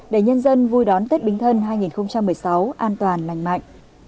để nhân dân vui đón tết bính thân hai nghìn một mươi sáu an toàn lành mạnh